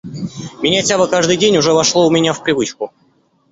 Менять авы каждый день уже вошло у меня в привычку.